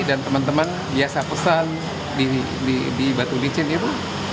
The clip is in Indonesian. dan teman teman biasa pesan di batu bicin itu